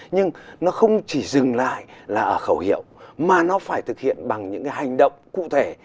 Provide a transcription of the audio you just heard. nhưng nó không chỉ dừng lại là ở khẩu hiệu mà nó phải thực hiện bằng những cái hành động cụ thể